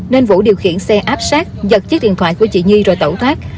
nên vũ điều khiển xe áp sát giật chiếc điện thoại của chị nhi rồi tẩu thoát